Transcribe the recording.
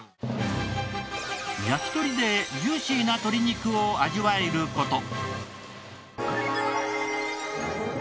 焼鳥でジューシーな鶏肉を味わえる事。